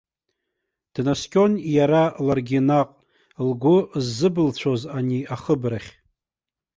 Днаскьон иара ларгьы наҟ, лгәы ззыбылцәоз ани ахыбрахь.